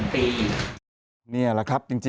แต่เขาบอกว่าเขาไม่ได้เอาสุนัข